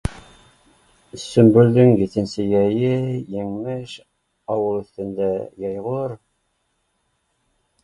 Сөмбөлдөң етенсе йәйе, еңмеш, ауыл өҫтөндә йәйғор